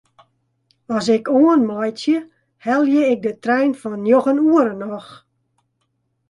As ik oanmeitsje helje ik de trein fan njoggen oere noch.